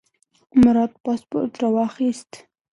مراد پاسپورت راواخیست.